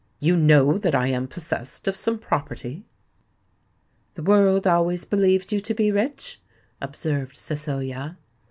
You know that I am possessed of some property?" "The world always believed you to be rich," observed Cecilia.